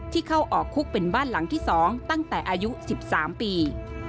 เข้าออกคุกเป็นบ้านหลังที่๒ตั้งแต่อายุ๑๓ปี